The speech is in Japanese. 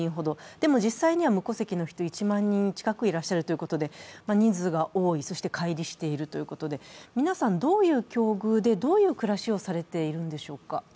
でも実際には無戸籍の人１万人近くいるということで、人数が多い、そしてかい離しているということで皆さん、どういう境遇でどういう暮らしをしてらっしゃるんでしょうか？